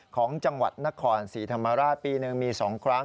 ของจังหวัดนครศรีธรรมราชปีหนึ่งมี๒ครั้ง